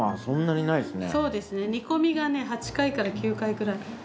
そうですね煮込みがね８回から９回くらい。